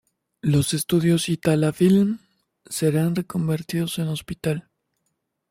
Los estudios Itala Film serán reconvertidos en hospital.